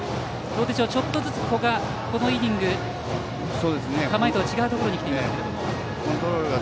ちょっとずつ古賀このイニング構えとは違うところにきていますが。